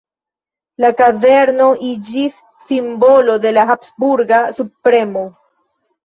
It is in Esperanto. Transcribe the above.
La kazerno iĝis simbolo de la Habsburga subpremo.